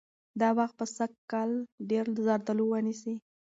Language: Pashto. دا باغ به سږکال ډېر زردالو ونیسي.